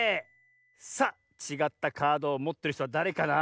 さあちがったカードをもってるひとはだれかな？